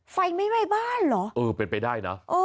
ไฟไม่ไหม้บ้านเหรอเออเป็นไปได้นะ